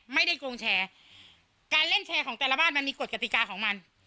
โกงแชร์การเล่นแชร์ของแต่ละบ้านมันมีกฎกติกาของมัน